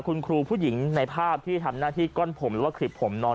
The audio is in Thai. คุณครูผู้หญิงในภาพที่ทำน่าที่ก้อนผมว่าขรีบผมน้อง